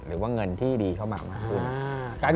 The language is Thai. หรือว่าเงินที่ดีเข้ามามากขึ้น